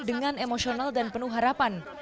dengan emosional dan penuh harapan